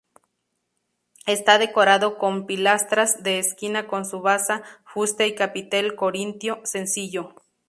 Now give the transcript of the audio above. Está decorado con pilastras de esquina con su basa, fuste y capitel corintio sencillo.